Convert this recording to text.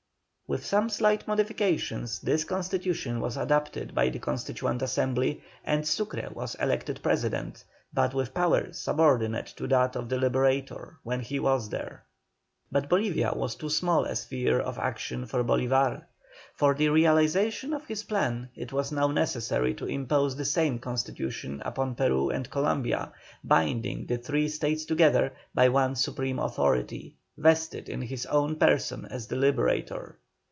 With some slight modifications, this constitution was adopted by the Constituent Assembly, and Sucre was elected President, but with power subordinate to that of the Liberator when he was there. But Bolivia was too small a sphere of action for Bolívar. For the realisation of his plan it was now necessary to impose the same constitution upon Peru and Columbia, binding the three States together by one supreme authority, vested in his own person as the Liberator.